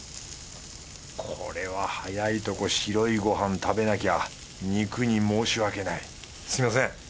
これは早いとこ白いご飯食べなきゃ肉に申し訳ないすみません。